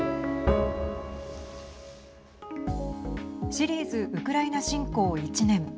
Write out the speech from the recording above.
シリーズウクライナ侵攻１年。